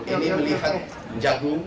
ini melihat jagung